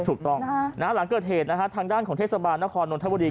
ถูกต้องหลังเกิดเหตุทางด้านของเทศบาลนครนนท์ทัพวดี